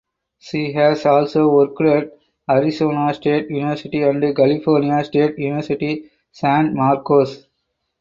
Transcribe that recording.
She has also worked at Arizona State University and California State University San Marcos.